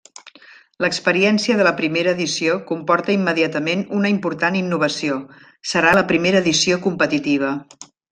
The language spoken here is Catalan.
L'experiència de la primera edició comporta immediatament una important innovació: serà la primera edició competitiva.